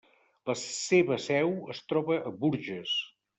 La seva seu es troba a Bourges.